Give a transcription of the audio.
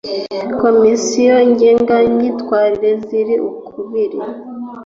Komisiyo ngengamyitwarire ziri ukubiri